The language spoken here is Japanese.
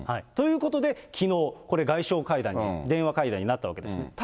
ということできのう、これ、外相会談に、電話会談になったわけですね。